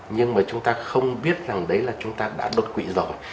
nhưng mà chúng ta không biết rằng đấy là chúng ta đã đột quỵ rồi